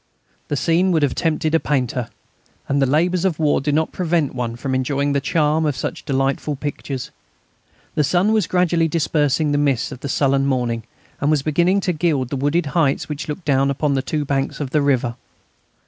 The scene would have tempted a painter, and the labours of war do not prevent one from enjoying the charm of such delightful pictures. The sun was gradually dispersing the mist of the sullen morning, and was beginning to gild the wooded heights which look down upon the two banks of the river.